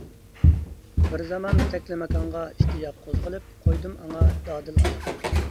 بىر زامان تەكلىماكانغا ئىشتىياق قوزغىلىپ، قويدۇم ئاڭا دادىل ئاياق.